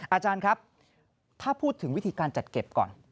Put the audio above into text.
อาจารย์ครับถ้าพูดถึงวิธีการจัดเก็บก่อน